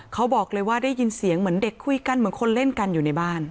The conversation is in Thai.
เขาบอกเลยว่าได้ยินเสียงเหมือนเด็กคุยกันเหมือนคนเล่นกันอยู่ในบ้าน